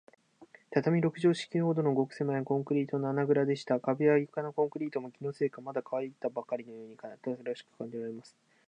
畳六畳敷きほどの、ごくせまいコンクリートの穴ぐらでした。壁や床のコンクリートも、気のせいか、まだかわいたばかりのように新しく感じられます。